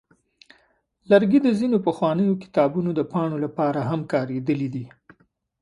لرګي د ځینو پخوانیو کتابونو د پاڼو لپاره هم کارېدلي دي.